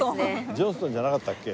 ジョンストンじゃなかったっけ？